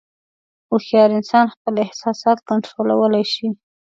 هوښیار انسان خپل احساسات کنټرولولی شي.